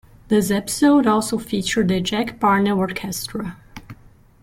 This episode also featured the Jack Parnell Orchestra.